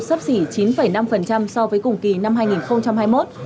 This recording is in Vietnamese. sấp xỉ chín năm so với cùng kỳ năm hai nghìn hai mươi một